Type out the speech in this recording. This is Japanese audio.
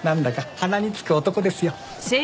鼻につく男ですよ。